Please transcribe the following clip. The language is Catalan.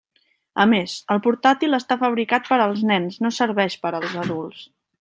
A més, el portàtil està fabricat per als nens, no serveix per als adults.